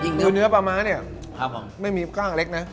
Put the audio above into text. จริงเนอะดูเนื้อปลาม้าเนี้ยครับผมไม่มีกล้างเล็กน่ะ